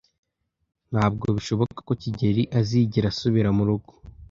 Ntabwo bishoboka ko kigeli azigera asubira murugo.